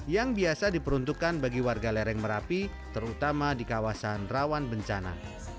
yang biasa diperuntukkan bagi warga lereng merapi terutama di kawasan rawan bencana